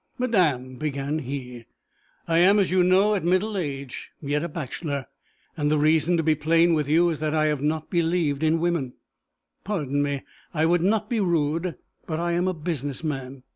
'Madam,' began he, 'I am, as you know, at middle age, yet a bachelor, and the reason, to be plain with you, is that I have not believed in women. Pardon me, I would not be rude, but I am a business man.